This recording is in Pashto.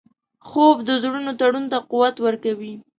خوب د زړونو تړون ته قوت ورکوي